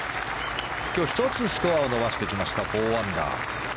今日、１つスコアを伸ばしてきました、４アンダー。